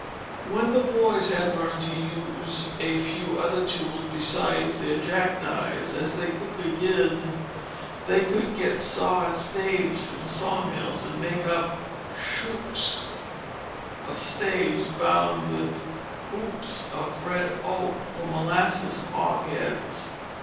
When the boys had learned to use a few other tools besides their jack knives, as they quickly did, they could get sawed staves from the sawmills and make up shooks of staves bound with hoops of red oak, for molasses hogsheads.